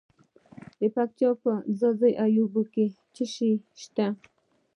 د پکتیا په ځاځي اریوب کې څه شی شته؟